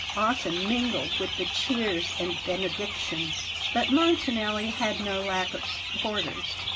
often mingled with the cheers and benedictions. But Montanelli had no lack of supporters.